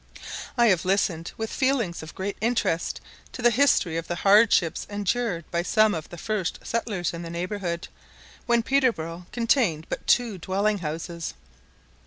I have listened with feelings of great interest to the history of the hardships endured by some of the first settlers in the neighbourhood, when Peterborough contained but two dwelling houses.